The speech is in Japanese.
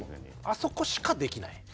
あそこしかできない。